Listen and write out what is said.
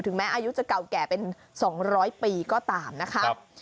แม้อายุจะเก่าแก่เป็น๒๐๐ปีก็ตามนะคะ